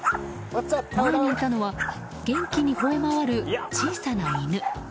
前にいたのは元気にほえ回る小さな犬。